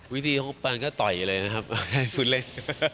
วิธีของปันก็ต่อยเลยนะครับให้ฟื้นเล่น